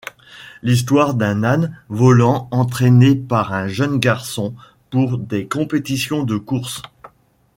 L'histoire d'un âne volant entraîné par un jeune garçon pour des compétitions de course...